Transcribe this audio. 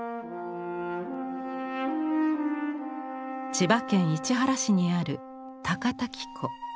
千葉県市原市にある高滝湖。